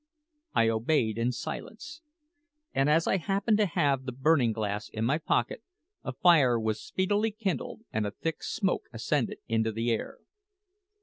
I obeyed in silence; and as I happened to have the burning glass in my pocket, a fire was speedily kindled, and a thick smoke ascended into the air.